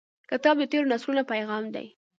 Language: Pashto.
کتاب د تیرو نسلونو پیغام دی.